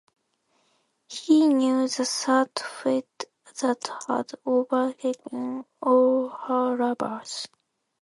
He knew the sad fate that had overtaken all her lovers.